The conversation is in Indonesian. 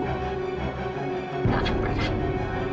nggak akan pernah